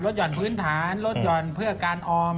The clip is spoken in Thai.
รถยอดพื้นฐานรถยอดเพื่อการออม